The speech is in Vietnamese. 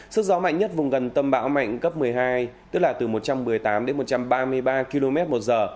sức gió mạnh nhất vùng gần tâm bão mạnh cấp một mươi hai tức là từ một trăm một mươi tám đến một trăm ba mươi ba km một giờ